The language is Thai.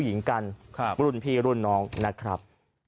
หญิงกันรุ่นพี่รุ่นน้องนะครับ